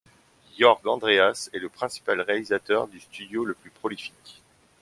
Jörg Andreas est le principal réalisateur du studio, le plus prolifique.